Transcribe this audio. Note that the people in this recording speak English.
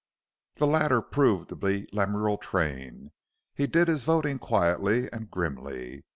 The latter proved to be Lemuel Train. He did his voting quietly and grimly.